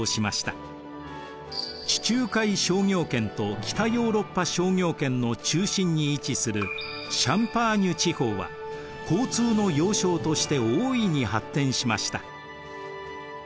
地中海商業圏と北ヨーロッパ商業圏の中心に位置するシャンパーニュ地方は交通の要衝として大いに発展しました。